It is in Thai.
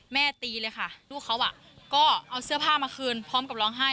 ตีเลยค่ะลูกเขาก็เอาเสื้อผ้ามาคืนพร้อมกับร้องไห้